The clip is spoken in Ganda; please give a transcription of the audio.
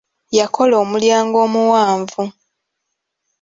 Yakola omulyango omuwanvu.